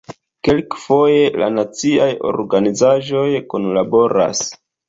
Kelkfoje la naciaj organizaĵoj kunlaboras.